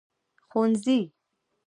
ښوونځي